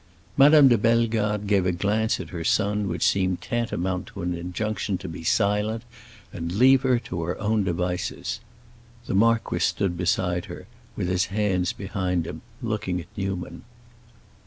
Madame de Bellegarde gave a glance at her son which seemed tantamount to an injunction to be silent and leave her to her own devices. The marquis stood beside her, with his hands behind him, looking at Newman.